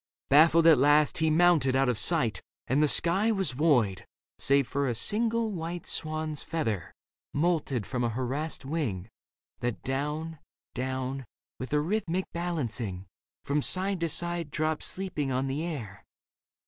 Baffled at last, he mounted out of sight And the sky was void — save for a single white Swan's feather moulted from a harassed wing That down, down, with a rhythmic balancing From side to side dropped sleeping on the air.